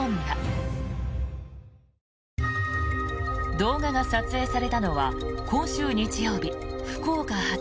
動画が撮影されたのは今週日曜日福岡発